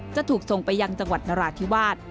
จะถูกส่งไปยังจังหวัดนราธิวาส